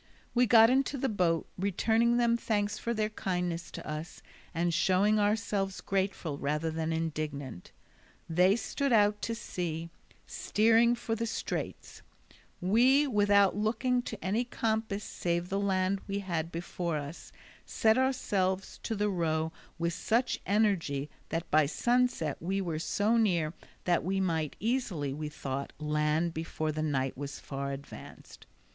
We got into the boat, returning them thanks for their kindness to us, and showing ourselves grateful rather than indignant. They stood out to sea, steering for the straits; we, without looking to any compass save the land we had before us, set ourselves to row with such energy that by sunset we were so near that we might easily, we thought, land before the night was far advanced.